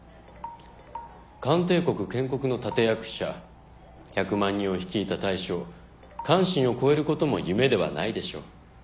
漢帝国建国の立役者１００万人を率いた大将韓信を超えることも夢ではないでしょう。